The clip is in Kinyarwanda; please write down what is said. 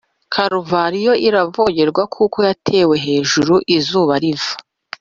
karuvariyo iravogewe, kuko yaterewe hejuru izuba riva